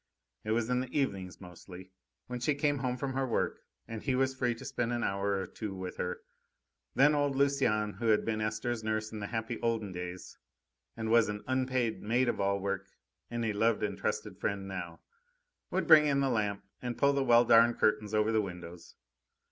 It was in the evenings mostly, when she came home from her work and he was free to spend an hour or two with her. Then old Lucienne, who had been Esther's nurse in the happy, olden days, and was an unpaid maid of all work and a loved and trusted friend now, would bring in the lamp and pull the well darned curtains over the windows.